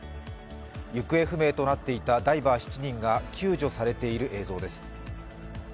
行方不明となっていたダイバー７人が救助されている映像です。